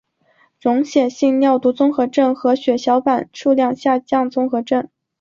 溶血性尿毒综合征和血小板数量下降综合征。